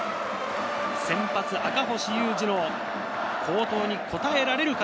先発・赤星優志の好投にこたえられるか？